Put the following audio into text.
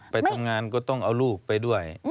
ไปทำงานก็ต้องเอาลูกไปด้วย